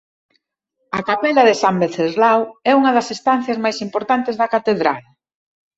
A Capela de San Venceslau é unha das estancias máis importantes da catedral.